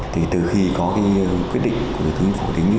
thì từ khi có quyết định của thủ tướng chính phủ